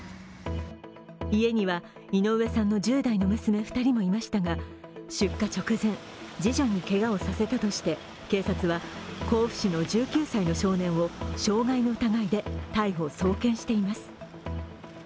家には井上さんの１０代の娘２人もいましたが出火直前、次女にけがをさせたとして警察は、甲府市の１９歳の少年を傷害の疑いで逮捕・送検しています。